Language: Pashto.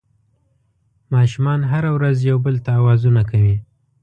ماشومان هره ورځ یو بل ته اوازونه کوي